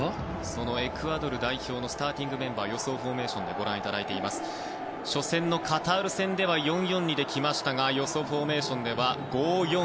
そのエクアドル代表のスターティングメンバー予想フォーメーションでご覧いただきますと初戦のカタール戦では４−４−２できましたが予想フォーメーションでは５−４−１。